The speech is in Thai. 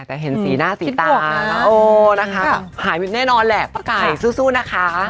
แต่เห็นสีหน้าสีตาหายไม่แน่นอนแหละป้าไก่สู้นะคะ